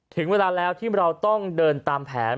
ถึงเวลาแล้วที่เราต้องเดินตามแผน